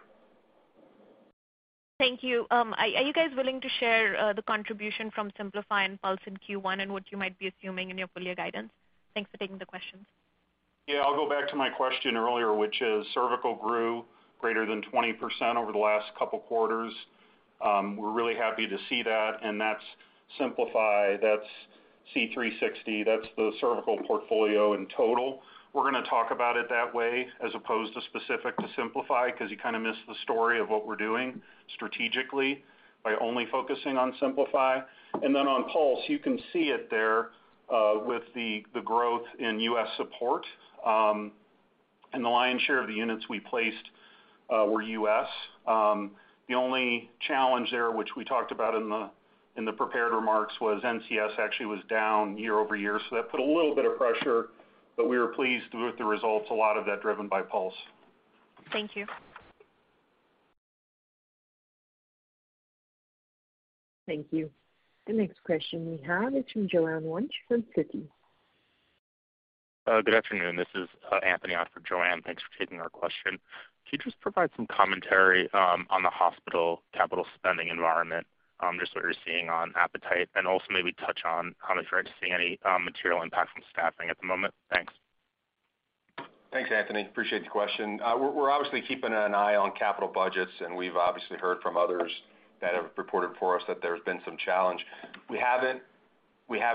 Thank you. Are you guys willing to share the contribution from Simplify and Pulse in Q1 and what you might be assuming in your full year guidance? Thanks for taking the questions. Yeah. I'll go back to my question earlier, which is cervical grew greater than 20% over the last couple quarters. We're really happy to see that, and that's Simplify, that's C360, that's the cervical portfolio in total. We're gonna talk about it that way as opposed to specific to Simplify because you kind of miss the story of what we're doing strategically by only focusing on Simplify. On Pulse, you can see it there, with the growth in U.S. support. And the lion's share of the units we placed were U.S. The only challenge there, which we talked about in the prepared remarks, was NCS actually was down year-over-year, so that put a little bit of pressure, but we were pleased with the results, a lot of that driven by Pulse. Thank you. Thank you. The next question we have is from Joanne Wuensch from Citi. Good afternoon. This is Anthony on for Joanne. Thanks for taking our question. Can you just provide some commentary on the hospital capital spending environment, just what you're seeing on appetite, and also maybe touch on if you're seeing any material impact from staffing at the moment? Thanks. Thanks, Anthony. Appreciate the question. We're obviously keeping an eye on capital budgets, and we've obviously heard from others that have reported for us that there's been some challenge. We haven't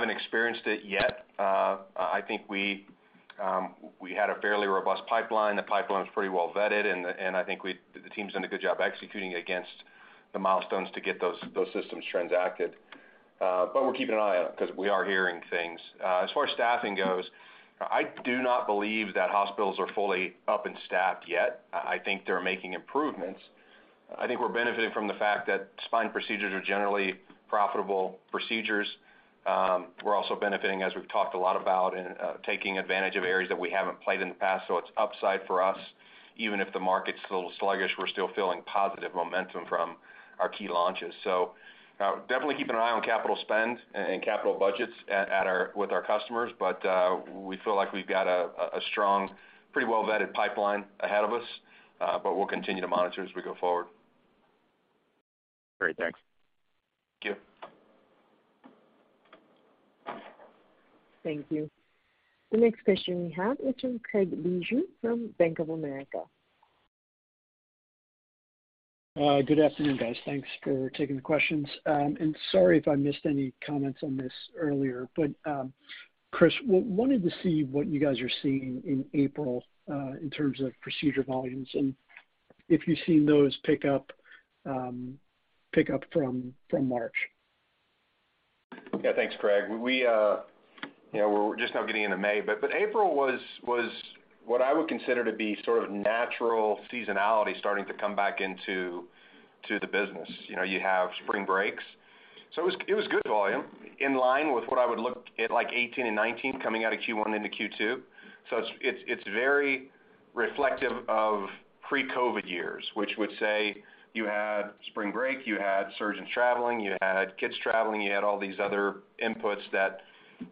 experienced it yet. I think we had a fairly robust pipeline. The pipeline was pretty well vetted and I think the team's done a good job executing against the milestones to get those systems transacted. But we're keeping an eye on it because we are hearing things. As far as staffing goes, I do not believe that hospitals are fully up and staffed yet. I think they're making improvements. I think we're benefiting from the fact that spine procedures are generally profitable procedures. We're also benefiting, as we've talked a lot about, in taking advantage of areas that we haven't played in the past. It's upside for us. Even if the market's a little sluggish, we're still feeling positive momentum from our key launches. Definitely keeping an eye on capital spend and capital budgets with our customers. We feel like we've got a strong, pretty well vetted pipeline ahead of us, but we'll continue to monitor as we go forward. Great. Thanks. Thank you. Thank you. The next question we have is from Craig Bijou from Bank of America. Good afternoon, guys. Thanks for taking the questions. Sorry if I missed any comments on this earlier, but Chris wanted to see what you guys are seeing in April in terms of procedure volumes, and if you've seen those pick up from March. Yeah. Thanks, Craig. We, you know, we're just now getting into May, but April was what I would consider to be sort of natural seasonality starting to come back into the business. You know, you have spring breaks. So it was good volume, in line with what I would look at like 18 and 19 coming out of Q1 into Q2. So it's very reflective of pre-COVID years, which would say you had spring break, you had surgeons traveling, you had kids traveling, you had all these other inputs that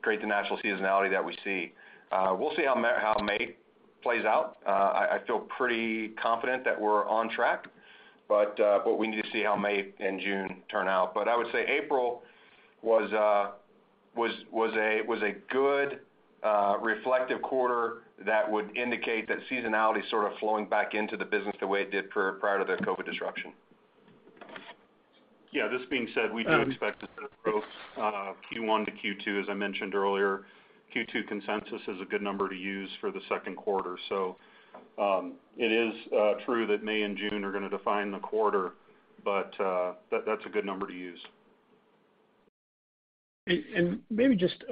create the natural seasonality that we see. We'll see how May plays out. I feel pretty confident that we're on track, but we need to see how May and June turn out. I would say April was a good reflective quarter that would indicate that seasonality is sort of flowing back into the business the way it did prior to the COVID disruption. Yeah. This being said, we do expect a bit of growth Q1 to Q2, as I mentioned earlier. Q2 consensus is a good number to use for the second quarter. It is true that May and June are gonna define the quarter, but that's a good number to use. Maybe just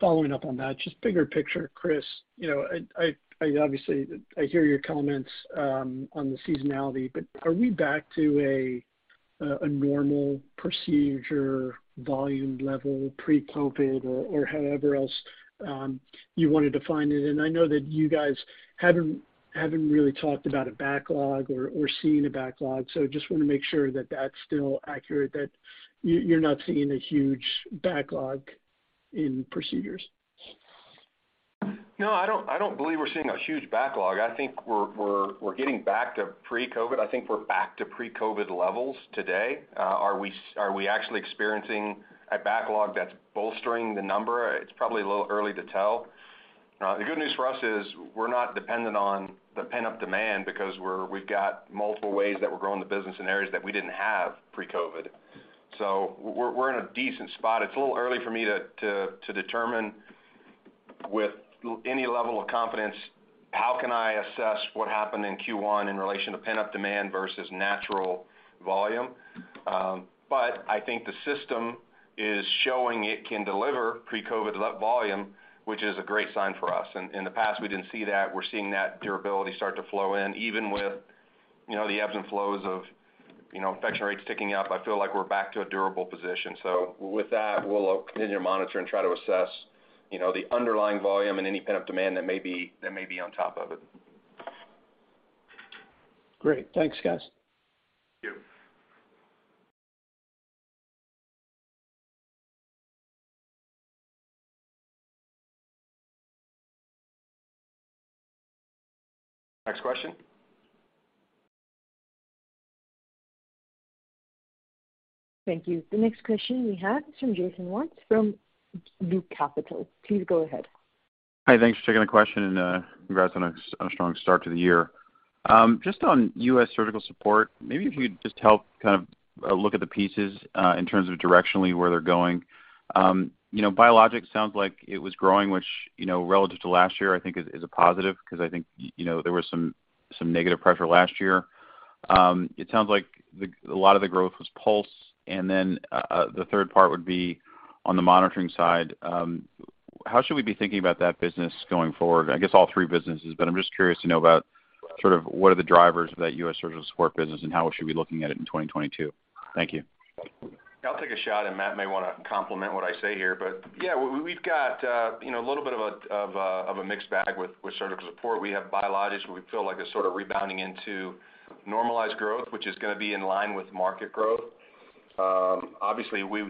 following up on that, just bigger picture, Chris. You know, I obviously hear your comments on the seasonality, but are we back to a normal procedure volume level pre-COVID or however else you want to define it. I know that you guys haven't really talked about a backlog or seen a backlog. Just want to make sure that that's still accurate, that you're not seeing a huge backlog in procedures. No, I don't believe we're seeing a huge backlog. I think we're getting back to pre-COVID. I think we're back to pre-COVID levels today. Are we actually experiencing a backlog that's bolstering the number? It's probably a little early to tell. The good news for us is we're not dependent on the pent-up demand because we've got multiple ways that we're growing the business in areas that we didn't have pre-COVID. We're in a decent spot. It's a little early for me to determine with any level of confidence, how can I assess what happened in Q1 in relation to pent-up demand versus natural volume. But I think the system is showing it can deliver pre-COVID volume, which is a great sign for us. In the past, we didn't see that. We're seeing that durability start to flow in, even with, you know, the ebbs and flows of, you know, infection rates ticking up. I feel like we're back to a durable position. With that, we'll continue to monitor and try to assess, you know, the underlying volume and any pent-up demand that may be on top of it. Great. Thanks, guys. Thank you. Next question. Thank you. The next question we have is from Jason Wittes from ROTH MKM. Please go ahead. Hi. Thanks for taking the question, and congrats on a strong start to the year. Just on U.S. surgical support, maybe if you could just help kind of look at the pieces in terms of directionally where they're going. You know, biologics sounds like it was growing, which, you know, relative to last year, I think is a positive because I think you know, there was some negative pressure last year. It sounds like a lot of the growth was Pulse. The third part would be on the monitoring side, how should we be thinking about that business going forward? I guess all three businesses, but I'm just curious to know about sort of what are the drivers of that U.S. surgical support business and how we should be looking at it in 2022. Thank you. Yeah, I'll take a shot, and Matt may want to complement what I say here. Yeah, we've got you know a little bit of a mixed bag with surgical support. We have biologics where we feel like it's sort of rebounding into normalized growth, which is going to be in line with market growth. Obviously, we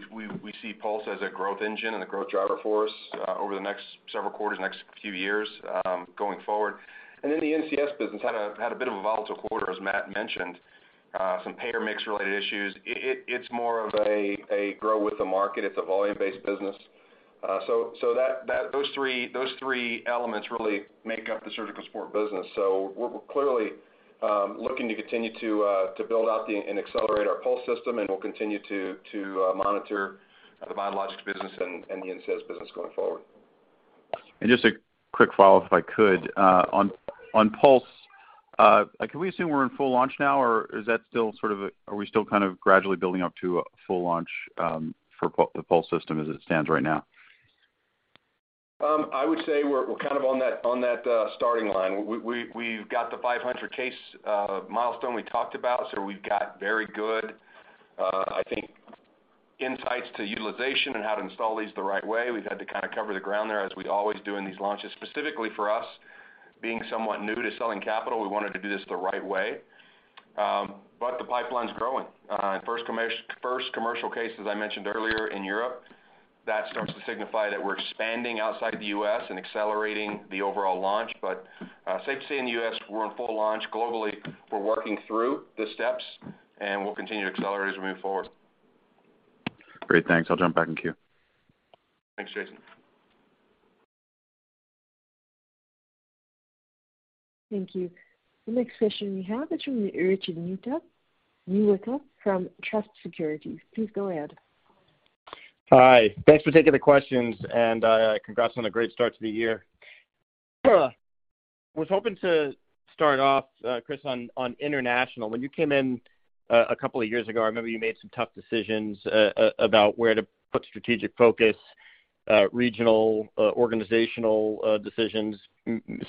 see Pulse as a growth engine and a growth driver for us over the next several quarters, next few years, going forward. The NCS business had a bit of a volatile quarter, as Matt mentioned, some payer-mix-related issues. It's more of a grow with the market. It's a volume-based business. Those three elements really make up the surgical support business. We're clearly looking to continue to build out and accelerate our Pulse system, and we'll continue to monitor the biologics business and the NCS business going forward. Just a quick follow-up, if I could. On Pulse, can we assume we're in full launch now, or are we still kind of gradually building up to a full launch for the Pulse system as it stands right now? I would say we're kind of on that starting line. We've got the 500-case milestone we talked about, so we've got very good insights to utilization and how to install these the right way. We've had to kind of cover the ground there as we always do in these launches. Specifically for us, being somewhat new to selling capital, we wanted to do this the right way. The pipeline's growing. First commercial case, as I mentioned earlier, in Europe, that starts to signify that we're expanding outside the U.S. and accelerating the overall launch. Safe to say in the U.S., we're in full launch globally. We're working through the steps, and we'll continue to accelerate as we move forward. Great. Thanks. I'll jump back in queue. Thanks, Jason. Thank you. The next question we have is from Rich Newitter from Truist Securities. Please go ahead. Hi. Thanks for taking the questions, and congrats on a great start to the year. I was hoping to start off, Chris, on international. When you came in, a couple of years ago, I remember you made some tough decisions about where to put strategic focus, regional, organizational decisions,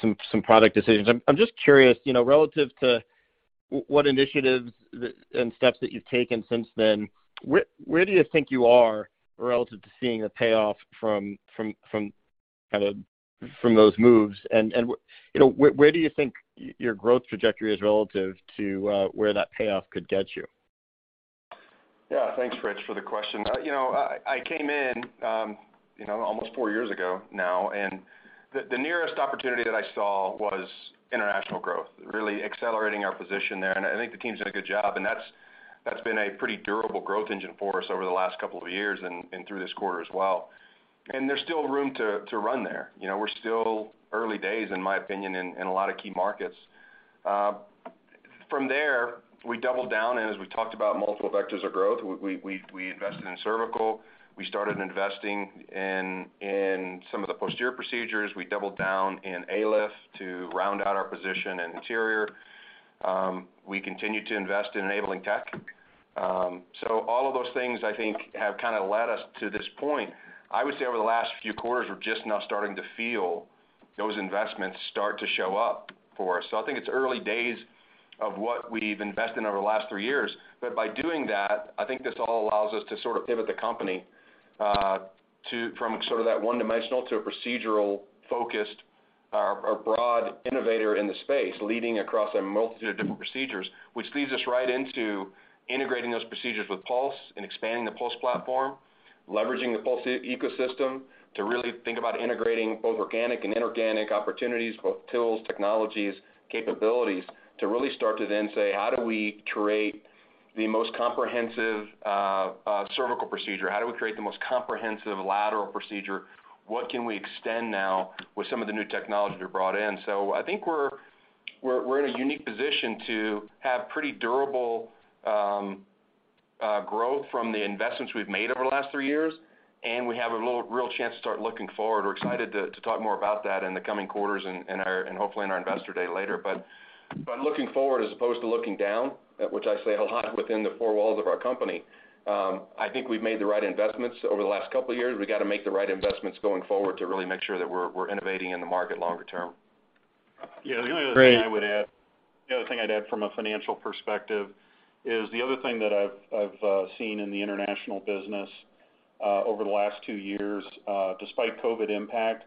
some product decisions. I'm just curious, you know, relative to what initiatives and steps that you've taken since then, where do you think you are relative to seeing a payoff from those moves? You know, where do you think your growth trajectory is relative to where that payoff could get you? Yeah. Thanks, Rich, for the question. You know, I came in almost four years ago now, and the nearest opportunity that I saw was international growth, really accelerating our position there. I think the team's done a good job, and that's been a pretty durable growth engine for us over the last couple of years and through this quarter as well. There's still room to run there. We're still early days, in my opinion, in a lot of key markets. From there, we doubled down, and as we talked about multiple vectors of growth, we invested in cervical. We started investing in some of the posterior procedures. We doubled down in ALIF to round out our position in anterior. We continued to invest in enabling tech. All of those things, I think, have kind of led us to this point. I would say over the last few quarters, we're just now starting to feel those investments start to show up for us. I think it's early days of what we've invested in over the last three years. By doing that, I think this all allows us to sort of pivot the company to from sort of that one-dimensional to a procedural focused or broad innovator in the space, leading across a multitude of different procedures, which leads us right into integrating those procedures with Pulse and expanding the Pulse platform, leveraging the Pulse ecosystem to really think about integrating both organic and inorganic opportunities, both tools, technologies, capabilities to really start to then say, how do we create the most comprehensive cervical procedure? How do we create the most comprehensive lateral procedure? What can we extend now with some of the new technologies we brought in? I think we're in a unique position to have pretty durable growth from the investments we've made over the last three years, and we have a little real chance to start looking forward. We're excited to talk more about that in the coming quarters and hopefully in our investor day later. By looking forward as opposed to looking down, which I say a lot within the four walls of our company, I think we've made the right investments over the last couple of years. We got to make the right investments going forward to really make sure that we're innovating in the market longer term. Yeah. The only other thing I'd add from a financial perspective is the other thing that I've seen in the international business over the last two years despite COVID impact.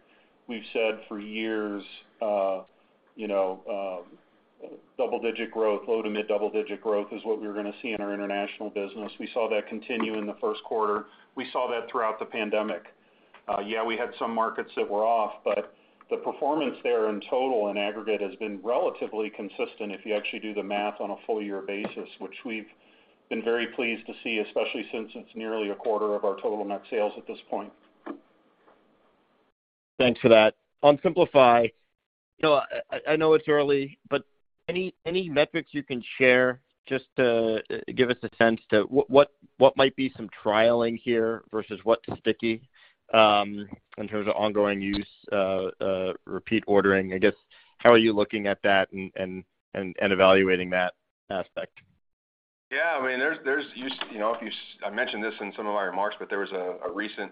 We've said for years, you know, double digit growth, low to mid double digit growth is what we were gonna see in our international business. We saw that continue in the first quarter. We saw that throughout the pandemic. Yeah, we had some markets that were off, but the performance there in total in aggregate has been relatively consistent if you actually do the math on a full year basis, which we've been very pleased to see, especially since it's nearly a quarter of our total net sales at this point. Thanks for that. On Simplify, I know it's early, but any metrics you can share just to give us a sense as to what might be some trialing here versus what's sticky, in terms of ongoing use, repeat ordering? I guess, how are you looking at that and evaluating that aspect? Yeah. I mean, there's use, you know. I mentioned this in some of my remarks, but there was a recent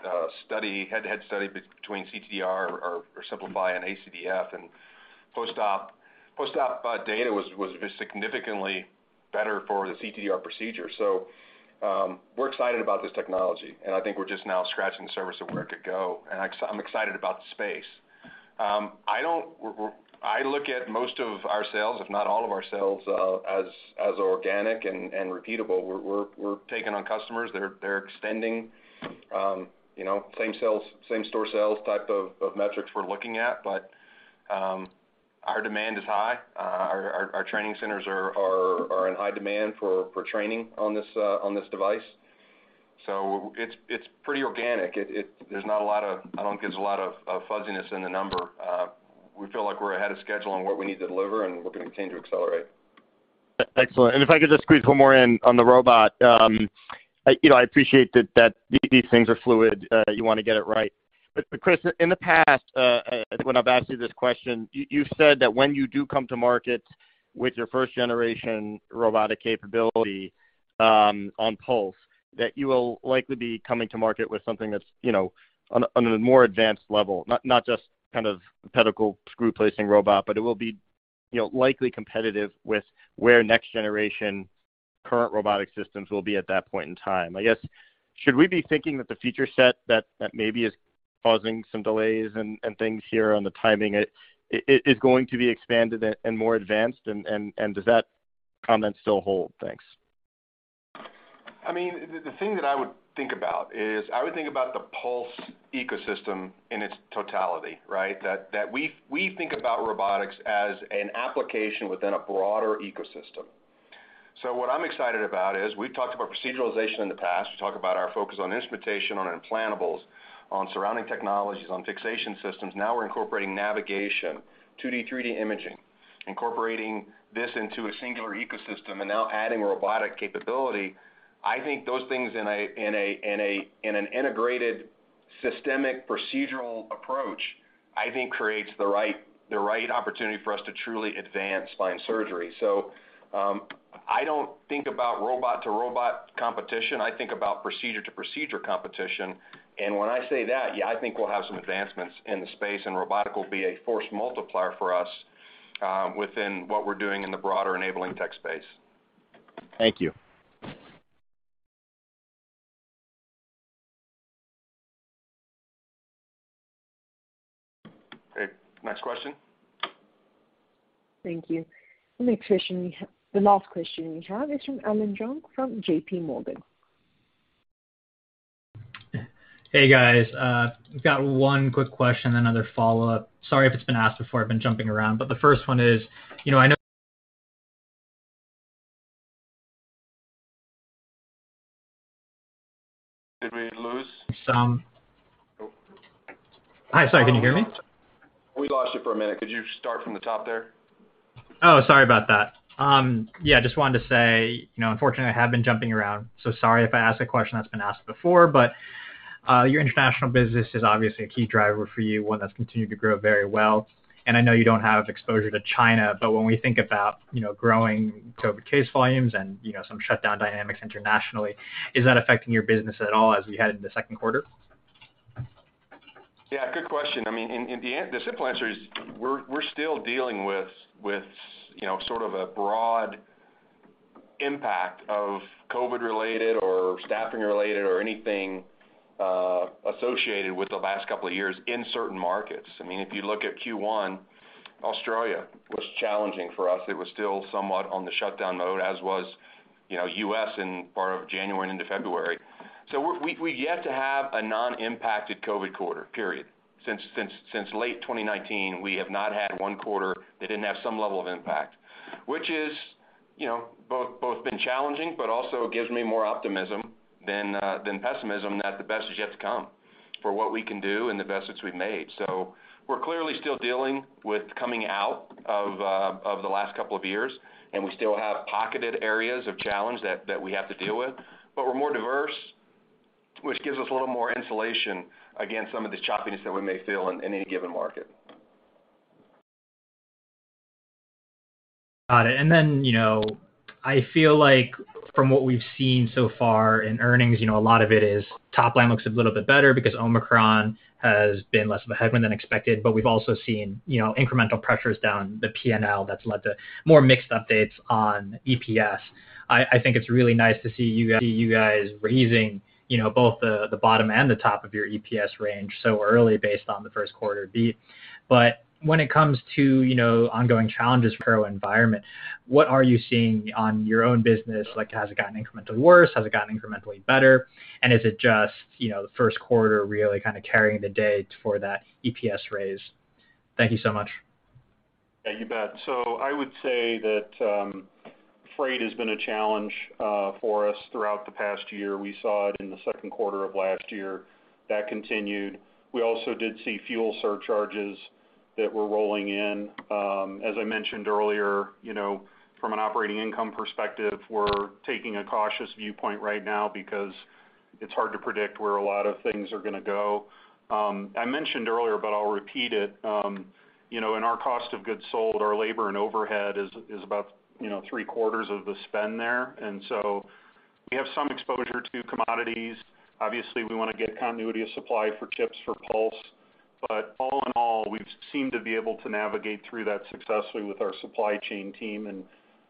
head-to-head study between cTDR or Simplify and ACDF, and postop data was significantly better for the cTDR procedure. We're excited about this technology, and I think we're just now scratching the surface of where it could go, and I'm excited about the space. I look at most of our sales, if not all of our sales, as organic and repeatable. We're taking on customers. They're extending, you know, same-store sales type of metrics we're looking at. Our demand is high. Our training centers are in high demand for training on this device. It's pretty organic. I don't think there's a lot of fuzziness in the number. We feel like we're ahead of schedule on what we need to deliver, and we're gonna continue to accelerate. Excellent. If I could just squeeze one more in on the robot. You know, I appreciate that these things are fluid, you wanna get it right. Chris, in the past, when I've asked you this question, you've said that when you do come to market with your first generation robotic capability, on Pulse, that you will likely be coming to market with something that's, you know, on a more advanced level, not just kind of pedicle screw placing robot, but it will be, you know, likely competitive with where next generation current robotic systems will be at that point in time. I guess, should we be thinking that the feature set that maybe is causing some delays and things here on the timing, it is going to be expanded and more advanced? Does that comment still hold? Thanks. I mean, the thing that I would think about is I would think about the Pulse ecosystem in its totality, right? That we think about robotics as an application within a broader ecosystem. What I'm excited about is we've talked about proceduralization in the past. We talk about our focus on instrumentation, on implantables, on surrounding technologies, on fixation systems. Now we're incorporating navigation, 2D, 3D imaging, incorporating this into a singular ecosystem and now adding robotic capability. I think those things in an integrated systemic procedural approach creates the right opportunity for us to truly advance spine surgery. I don't think about robot to robot competition. I think about procedure to procedure competition. When I say that, yeah, I think we'll have some advancements in the space, and robotic will be a force multiplier for us within what we're doing in the broader enabling tech space. Thank you. Okay. Next question. Thank you. The last question we have is from Allen Gong from JPMorgan. Hey, guys. Got one quick question, another follow-up. Sorry if it's been asked before. I've been jumping around. The first one is, you know, I know. Did we lose? Hi. Sorry, can you hear me? We lost you for a minute. Could you start from the top there? Oh, sorry about that. Yeah, just wanted to say, you know, unfortunately, I have been jumping around. Sorry if I ask a question that's been asked before, but your international business is obviously a key driver for you, one that's continued to grow very well. I know you don't have exposure to China, but when we think about, you know, growing COVID case volumes and, you know, some shutdown dynamics internationally, is that affecting your business at all as we head into the second quarter? Great question. I mean, in the end, the simple answer is we're still dealing with, you know, sort of a broad impact of COVID-related or staffing-related or anything associated with the last couple of years in certain markets. I mean, if you look at Q1, Australia was challenging for us. It was still somewhat on the shutdown mode, as was, you know, U.S. in part of January into February. We've yet to have a non-impacted COVID quarter period. Since late 2019, we have not had one quarter that didn't have some level of impact, which is, you know, both been challenging, but also gives me more optimism than pessimism that the best is yet to come for what we can do and the investments we've made. We're clearly still dealing with coming out of the last couple of years, and we still have pocketed areas of challenge that we have to deal with. We're more diverse, which gives us a little more insulation against some of the choppiness that we may feel in any given market. Got it. You know, I feel like from what we've seen so far in earnings, you know, a lot of it is top line looks a little bit better because Omicron has been less of a headwind than expected. We've also seen, you know, incremental pressures down the P&L that's led to more mixed updates on EPS. I think it's really nice to see you guys raising, you know, both the bottom and the top of your EPS range so early based on the first quarter beat. When it comes to, you know, ongoing challenges in the environment, what are you seeing on your own business? Like, has it gotten incrementally worse? Has it gotten incrementally better? Is it just, you know, the first quarter really kind of carrying the day for that EPS raise? Thank you so much. Yeah, you bet. I would say that, freight has been a challenge for us throughout the past year. We saw it in the second quarter of last year. That continued. We also did see fuel surcharges that were rolling in. As I mentioned earlier, you know, from an operating income perspective, we're taking a cautious viewpoint right now because it's hard to predict where a lot of things are gonna go. I mentioned earlier, but I'll repeat it, you know, in our cost of goods sold, our labor and overhead is about, you know, three-quarters of the spend there. And so we have some exposure to commodities. Obviously, we wanna get continuity of supply for chips, for Pulse. All in all, we've seemed to be able to navigate through that successfully with our supply chain team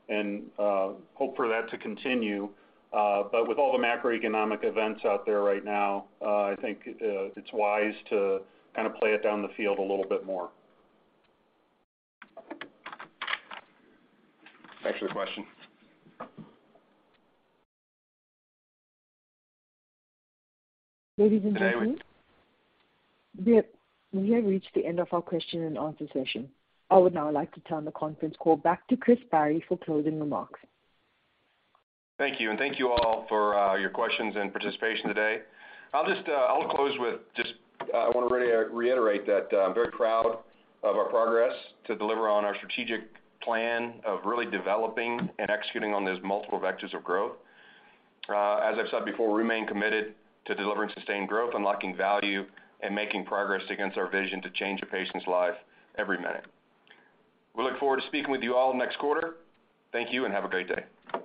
and hope for that to continue. With all the macroeconomic events out there right now, I think it's wise to kind of play it down the field a little bit more. Thanks for the question. Ladies and gentlemen, we have reached the end of our question and answer session. I would now like to turn the conference call back to Chris Barry for closing remarks. Thank you. Thank you all for your questions and participation today. I'll close with just, I want to reiterate that, I'm very proud of our progress to deliver on our strategic plan of really developing and executing on those multiple vectors of growth. As I've said before, we remain committed to delivering sustained growth, unlocking value, and making progress against our vision to change a patient's life every minute. We look forward to speaking with you all next quarter. Thank you, and have a great day.